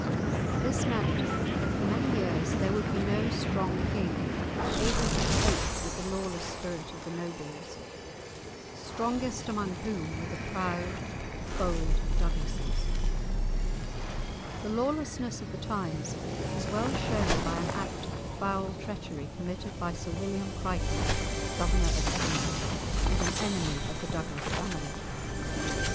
This meant that for many years there would be no strong king able to cope with the lawless spirit of the nobles, strongest among whom were the proud, bold Douglases. The lawlessness of the times is well shown by an act of foul treachery committed by Sir William Crichton, Governor of Edinburgh, and an enemy of the Douglas family.